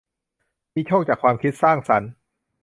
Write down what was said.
มีโชคจากความคิดสร้างสรรค์